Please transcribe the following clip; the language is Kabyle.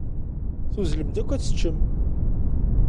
Tuzzlem-d akk ad teččem.